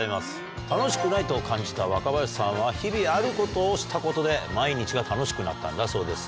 楽しくないと感じた若林さんは日々あることをしたことで毎日が楽しくなったんだそうです。